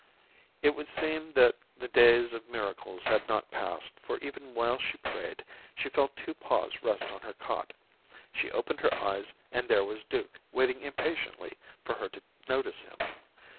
It would seem that the days of miracles had not passed; for even while she prayed, she felt two paws rest on her cot. She opened her eyes and there was Duke waiting impatiently for her to notice him.